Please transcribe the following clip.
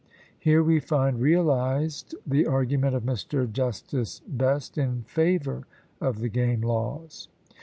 Here we find realized the argument of Mr. Justice Best in favour of the game laws.